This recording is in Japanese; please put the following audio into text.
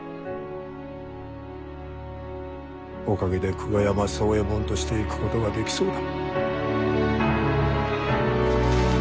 おかげで久我山宗衛門として逝くことができそうだ。